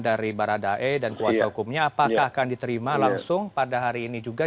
dari baradae dan kuasa hukumnya apakah akan diterima langsung pada hari ini juga